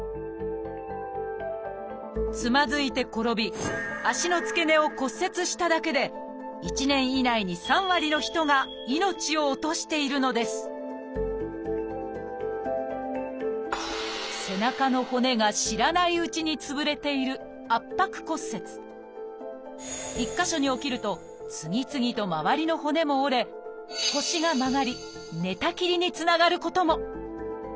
つまずいて転び足の付け根を骨折しただけで１年以内に３割の人が命を落としているのです背中の骨が知らないうちにつぶれている一か所に起きると次々と周りの骨も折れ腰が曲がり寝たきりにつながることも。